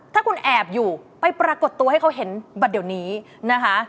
ถ้าคุณแอบอยู่ไปปรากฏตัวให้เขาเห็นบัตรเดี๋ยวนี้นะคะ